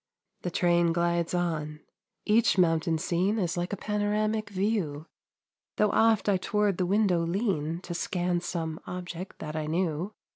The train glides on. Each mountain scene Is like a panoramic view, Though oft I toward the window lean, To scan some object that I knew.